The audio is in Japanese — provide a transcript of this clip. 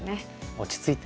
落ち着いて。